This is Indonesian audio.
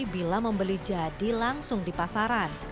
bila membeli jadi langsung di pasaran